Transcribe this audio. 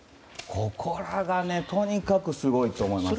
ここらがとにかくすごいと思います。